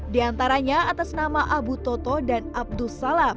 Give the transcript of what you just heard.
di antaranya atas nama abu toto dan abdus salam